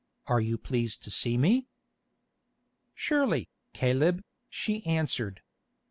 "Are you pleased to see me?" "Surely, Caleb," she answered.